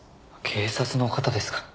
警察の方ですか。